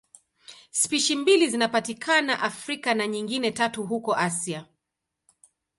Spishi mbili zinapatikana Afrika na nyingine tatu huko Asia.